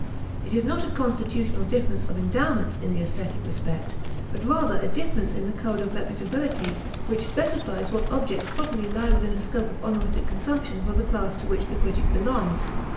It is not a constitutional difference of endowments in the aesthetic respect, but rather a difference in the code of reputability which specifies what objects properly lie within the scope of honorific consumption for the class to which the critic belongs.